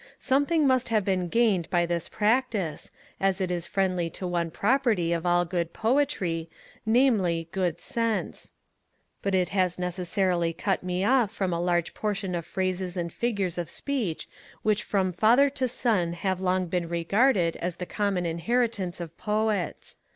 Something must have been gained by this practice, as it is friendly to one property of all good poetry, namely, good sense: but it has necessarily cut me off from a large portion of phrases and figures of speech which from father to son have long been regarded as the common inheritance of Poets.